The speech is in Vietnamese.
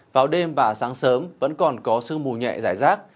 vào đêm và sáng sớm vẫn còn có sương mù nhẹ giải rác